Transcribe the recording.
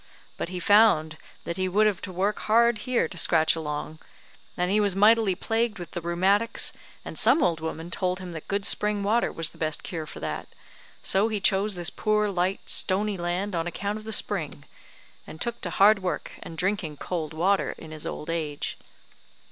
But he found that he would have to work hard here to scratch along, and he was mightily plagued with the rheumatics, and some old woman told him that good spring water was the best cure for that; so he chose this poor, light, stony land on account of the spring, and took to hard work and drinking cold water in his old age."